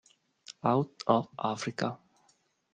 Out of Africa